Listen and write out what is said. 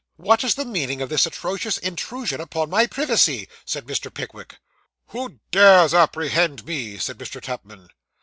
'What is the meaning of this atrocious intrusion upon my privacy?' said Mr. Pickwick. 'Who dares apprehend me?' said Mr. Tupman.